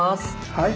はい。